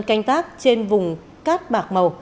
canh tác trên vùng cát bạc màu